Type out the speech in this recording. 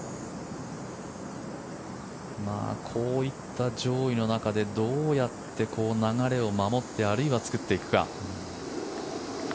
こういった上位の中でどうやって流れを守ってあるいは作っていくか。